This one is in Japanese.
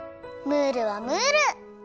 ムールはムール！